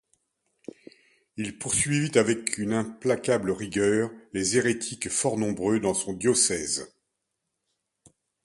Il poursuivit avec une implacable rigueur les hérétiques fort nombreux dans son diocèse.